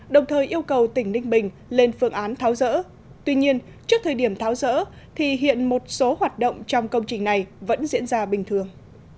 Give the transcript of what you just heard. đồng thời yêu cầu tỉnh ninh bình lên phương án tháo rỡ tuy nhiên trước thời điểm tháo rỡ thì hiện một số hoạt động trong công trình này vẫn diễn ra bình thường